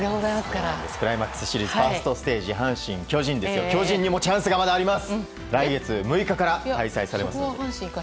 クライマックスシリーズファーストステージ巨人にもチャンスがあります。